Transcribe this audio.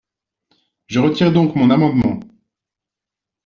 Je retire donc mon amendement.